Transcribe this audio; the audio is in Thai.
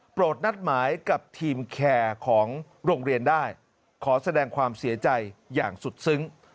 นัดหมายกับทีมแคร์ของโรงเรียนได้ขอแสดงความเสียใจอย่างสุดซึ้ง